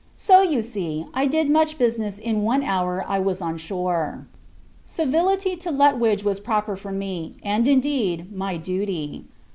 So, you see, I did much business in one hour I was on shore. Civility to Lutwidge was proper for me; and, indeed, my duty.